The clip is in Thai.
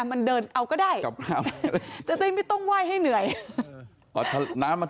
มันเดินเอาก็ได้ให้เหนื่อยอ๋อน้ำน้ำ